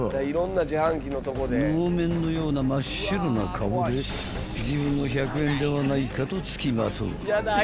［能面のような真っ白な顔で自分の１００円ではないかとつきまとう］